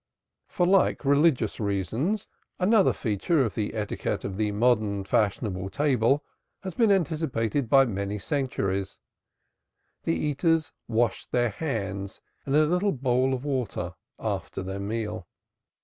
For like religious reasons, another feature of the etiquette of the modern fashionable table had been anticipated by many centuries the eaters washed their hands in a little bowl of water after their meal.